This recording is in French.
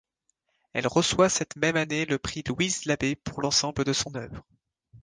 Elle reçoit cette même année le prix Louise-Labé pour l'ensemble de son œuvre.